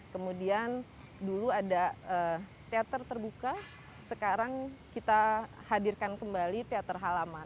kemudian dulu ada teater terbuka sekarang kita hadirkan kembali teater halaman